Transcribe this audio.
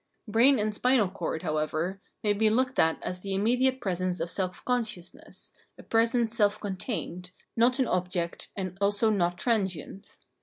Brain and spinal cord, however, may be looked at as the immediate presence of self consciousness, a presence self con tained, not an object and also not transient.